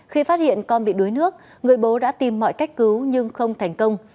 khi phát hiện con bị đuối nước người bố đã tìm mọi cách cứu nhưng không thành công